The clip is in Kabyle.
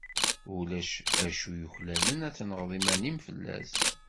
Ulac acu yuklalen ad tenɣeḍ iman-im fell-as.